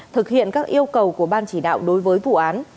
thực hiện các yêu cầu của ban chỉ đạo đối với vụ án